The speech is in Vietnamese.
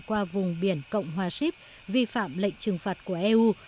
qua vùng biển eu